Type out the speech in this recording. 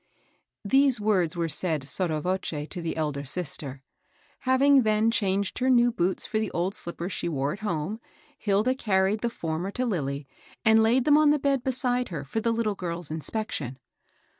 These words were said boUo voce to the elder sister. Having then changed her new boots for the old slippers she wore at home, Hilda carried GOOD ANGELS. 187 the former to Lilly, and laid them on the bed beside her for the little girl's inspection.